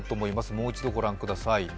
もう一度、ご覧ください。